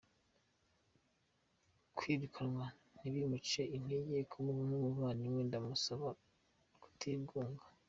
Kwirukanwa ntibimuce intege, nk’umuvandimwe ndamusaba kutigunga.